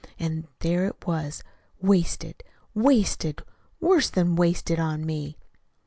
And there it was, wasted, WASTED, worse than wasted on me!"